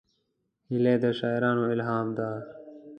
هیلۍ د شاعرانو الهام ده